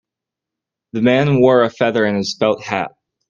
The man wore a feather in his felt hat.